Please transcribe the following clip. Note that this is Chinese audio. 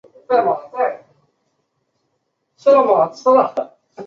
这是韩国足球史上第一次有足球球队自己盖了一个足球专用的体育场。